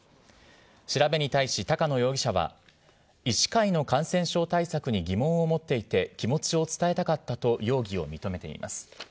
調べに対し、高野容疑者は、医師会の感染症対策に疑問を持っていて、気持ちを伝えたかったと容疑を認めています。